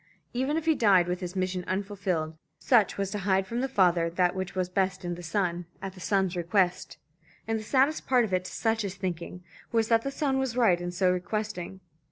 Even if he died with his mission unfulfilled, Sutch was to hide from the father that which was best in the son, at the son's request. And the saddest part of it, to Sutch's thinking, was that the son was right in so requesting.